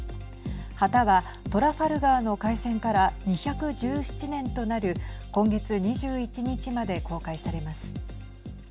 旗は、トラファルガーの海戦から２１７年となる今月２１日まで公開されます。